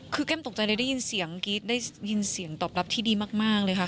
คือแก้มตกใจเลยได้ยินเสียงกรี๊ดได้ยินเสียงตอบรับที่ดีมากเลยค่ะ